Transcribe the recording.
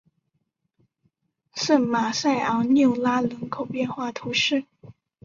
圣马塞昂缪拉人口变化图示